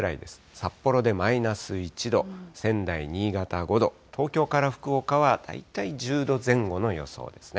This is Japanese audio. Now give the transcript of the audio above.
札幌でマイナス１度、仙台、新潟５度、東京から福岡は大体１０度前後の予想ですね。